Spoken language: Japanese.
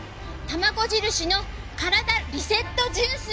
たまこ印のカラダリセットジュース。